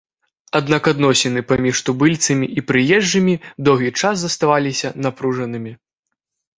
Аднак адносіны паміж тубыльцамі і прыезджымі доўгі час заставаліся напружанымі.